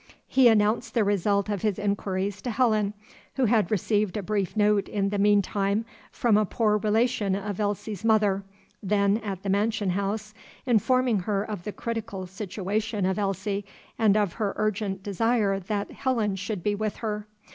He announced the result of his inquiries to Helen, who had received a brief note in the mean time from a poor relation of Elsie's mother, then at the mansion house, informing her of the critical situation of Elsie and of her urgent desire that Helen should be with her.